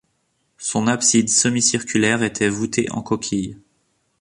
Son abside semi-circulaire était voûtée en coquille.